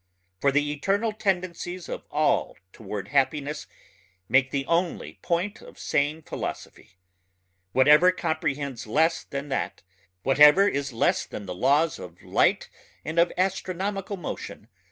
For the eternal tendencies of all toward happiness make the only point of sane philosophy. Whatever comprehends less than that ... whatever is less than the laws of light and of astronomical motion